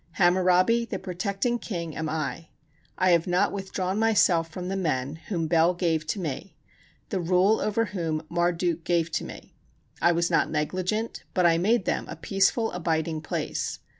Hammurabi, the protecting king am I. I have not withdrawn myself from the men, whom Bel gave to me, the rule over whom Marduk gave to me, I was not negligent, but I made them a peaceful abiding place.